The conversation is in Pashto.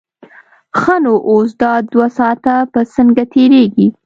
ښه نو اوس دا دوه ساعته به څنګه تېرېږي.